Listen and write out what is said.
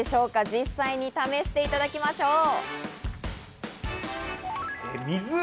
実際に試していただきましょう。